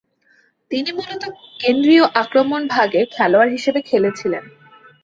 তিনি মূলত কেন্দ্রীয় আক্রমণভাগের খেলোয়াড় হিসেবে খেলেছিলেন।